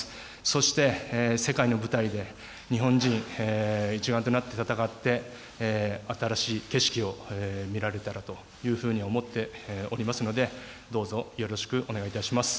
そして、世界の舞台で日本人、一丸となって戦って、新しい景色を見られたらというふうに思っておりますので、どうぞよろしくお願いいたします。